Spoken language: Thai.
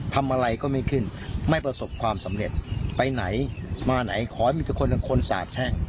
ทำอะไรก็ไม่ขึ้นไม่ประสบความสำเร็จไปไหนมาไหนขอให้มีแต่คนหนึ่งคนสาบแช่ง